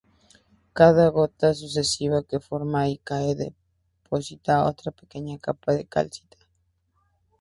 Cada gota sucesiva que se forma y cae deposita otra pequeña capa de calcita.